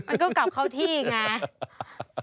มันก็กลับเข้าที่ไง